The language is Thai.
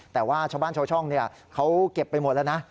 แต่ว่าชาวบ้านชาวช่องเขาเก็บไปหมดแล้วนะ